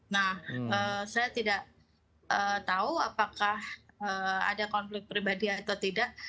nah saya tidak tahu apakah ada konflik pribadi atau tidak